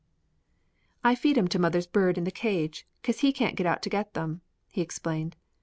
"I feed 'em to mother's bird in the cage, 'cause he can't get out to get 'em," he explained.